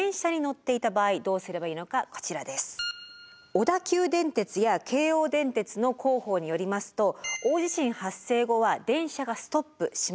小田急電鉄や京王電鉄の広報によりますと大地震発生後は電車がストップします。